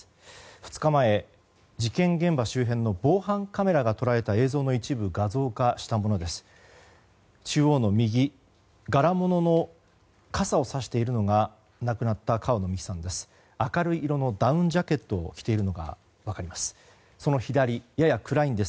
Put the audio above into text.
２日前、事件現場周辺の防犯カメラが捉えた映像の一部を画像化したものです。